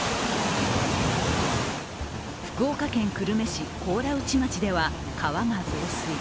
福岡県久留米市高良内町では川が増水。